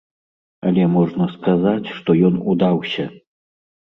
Але можна сказаць, што ён удаўся.